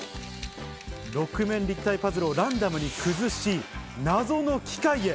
六面立体パズルをランダムに崩し、ナゾの機械へ。